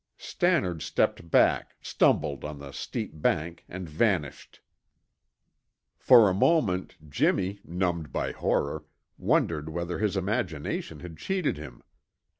Stannard stepped back, stumbled on the steep bank and vanished. For a moment Jimmy, numbed by horror, wondered whether his imagination had cheated him.